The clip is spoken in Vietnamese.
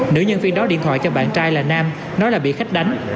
nữ nhân viên đó điện thoại cho bạn trai là nam nói là bị khách đánh